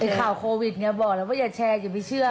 ข่าวโควิดเนี่ยบอกแล้วว่าอย่าแชร์อย่าไปเชื่อ